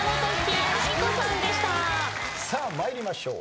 さあ参りましょう。